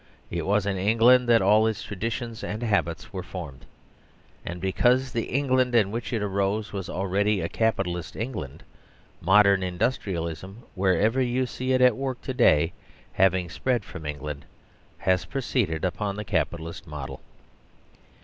It was in England that all its traditions and habits were formed ; and because the England in which it arose was already a Capitalist England, modern In dustrialism, wherever you see it at work to day, having spread from England, has proceeded upon the Capi talist model.